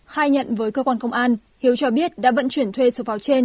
khai nhận với cơ quan công an hiếu cho biết đã vận chuyển thuê sụp vào trên